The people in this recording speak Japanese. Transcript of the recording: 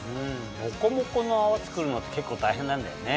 モコモコの泡作るのって結構大変なんだよね。